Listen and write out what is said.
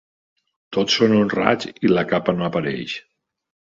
Tots són honrats i la capa no apareix.